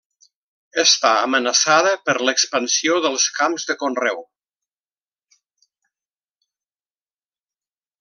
Està amenaçada per l'expansió dels camps de conreu.